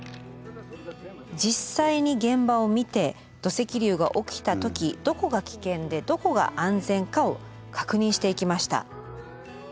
実際に現場を見て土石流が起きた時どこが危険でどこが安全かを確認していきました。